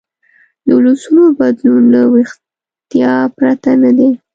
د ولسونو بدلون له ویښتیا پرته نه دی.